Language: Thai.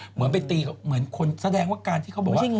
เหมือนไปตีเหมือนคนแสดงว่าการที่เขาบอกว่า